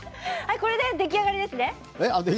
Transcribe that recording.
これで出来上がりですね。